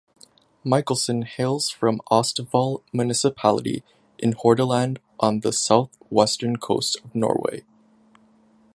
Michelsen hails from Austevoll municipality in Hordaland on the south-western coast of Norway.